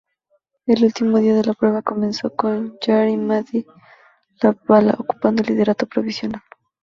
El último día de la prueba comenzó con Jari-Matti Latvala ocupando el liderato provisional.